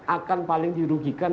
akan paling dirugikan